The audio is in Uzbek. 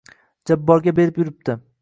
Jabborga berib yuribdi